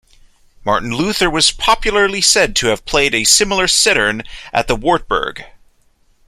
Martin Luther was popularly said to have played a similar cittern at the Wartburg.